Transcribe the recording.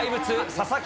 佐々木！